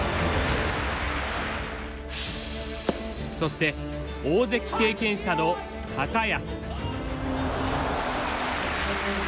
そして大関経験者の安。